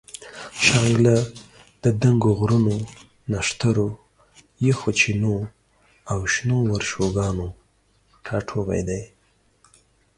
شانګله د دنګو غرونو، نخترو، یخو چینو او شنو ورشوګانو ټاټوبے دے